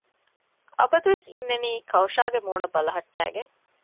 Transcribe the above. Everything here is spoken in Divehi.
އަބަދުވެސް އިންނަނީ ކައުޝާގެ މޫނަށް ބަލަހައްޓައިގެން